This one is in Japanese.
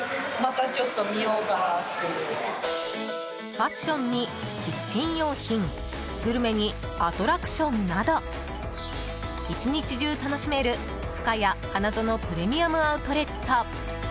ファッションにキッチン用品グルメにアトラクションなど１日中楽しめる、ふかや花園プレミアム・アウトレット。